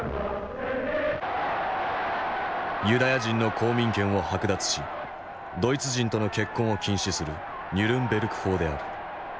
ユダヤ人の公民権を剥奪しドイツ人との結婚を禁止するニュルンベルク法である。